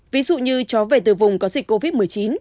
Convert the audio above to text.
ví dụ như chó về từ vùng có dịch covid một mươi chín